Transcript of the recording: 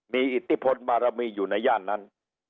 มีอิทธิพลบารมีอยู่ในย่านนั้น